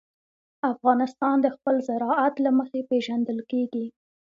افغانستان د خپل زراعت له مخې پېژندل کېږي.